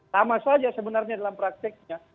sama saja sebenarnya dalam prakteknya